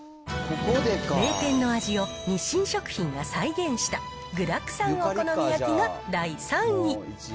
名店の味を日清食品が再現した、具だくさんお好み焼きが第３位。